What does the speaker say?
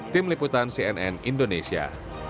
tim liputan cnn indonesia